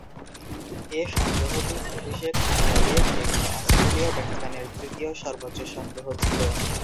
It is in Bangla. এ সংগ্রহটি অভিষেক ওডিআইয়ে যে-কোন অস্ট্রেলীয় ব্যাটসম্যানের তৃতীয় সর্বোচ্চ সংগ্রহ ছিল।